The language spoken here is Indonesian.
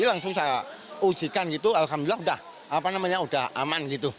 langsung saya ujikan gitu alhamdulillah udah aman gitu